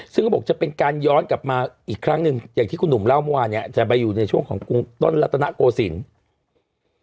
ซึ่งก็บอกจะเป็นการย้อนกลับมาอีกครั้งหนึ่งอย่างที่คุณหนุ่มเล่าเมื่อวานเนี่ยจะไปอยู่ในช่วงของกรุงต้นรัตนโกศิลป์